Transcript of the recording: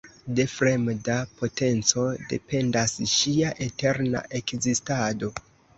De fremda potenco dependas ŝia eterna ekzistado.